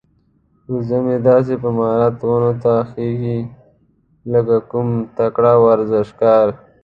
وزه مې داسې په مهارت ونو ته خيږي لکه کوم تکړه ورزشکار.